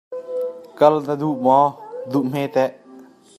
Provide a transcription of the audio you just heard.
Kal na duh maw? Duh hmeteh!